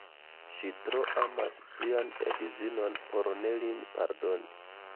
Ŝi tro amas sian edzon por ne lin pardoni.